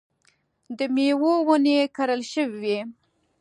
د مېوو ونې کرل شوې وې.